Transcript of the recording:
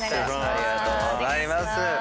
ありがとうございます。